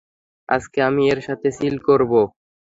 আজকে আমি এর সাথে চিল করব।